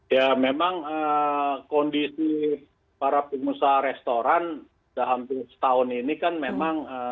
ya memang kondisi para pengusaha restoran sudah hampir setahun ini kan memang